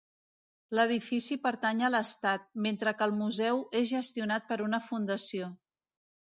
L'edifici pertany a l'estat, mentre que el museu és gestionat per una fundació.